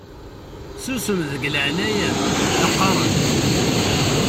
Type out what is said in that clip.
Susem deg leɛnaya-m la qqaṛen!